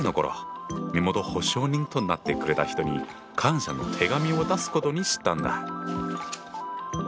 身元保証人となってくれた人に感謝の手紙を出すことにしたんだ。